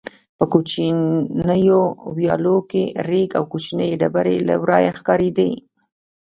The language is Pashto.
په کوچنیو ویالو کې رېګ او کوچنۍ ډبرې له ورایه ښکارېدې.